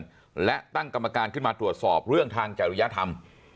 กรุณเชือนและตั้งกรรมการขึ้นมาตรวจสอบเรื่องทางจ่ายระยะธรรม